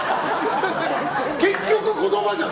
結局、言葉じゃん！